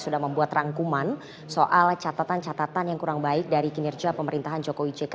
sudah membuat rangkuman soal catatan catatan yang kurang baik dari kinerja pemerintahan jokowi jk